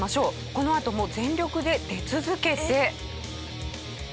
このあとも全力で出続けて。